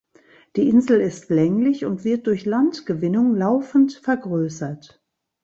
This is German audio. Die Insel ist länglich und wird durch Landgewinnung laufend vergrößert.